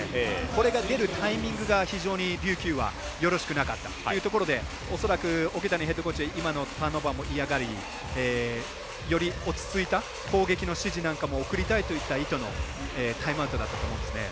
これが出るタイミングが非常に琉球は、よろしくなかったというところで恐らく、桶谷ヘッドコーチは今のターンオーバーも嫌がり、より落ち着いた攻撃の指示なんかも送りたいといった意図のタイムアウトだと思います。